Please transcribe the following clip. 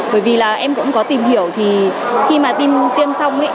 bởi vì em cũng có tìm hiểu khi mà tiêm xong